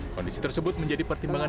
kondisi tersebut menjadi pertimbangan